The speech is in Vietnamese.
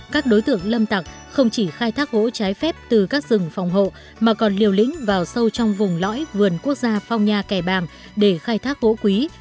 các đối tượng lâm tặc không chỉ khai thác gỗ trái phép từ các rừng phòng hộ mà còn liều lĩnh vào sâu trong vùng lõi vườn quốc gia phong nha kẻ bàng để khai thác gỗ quý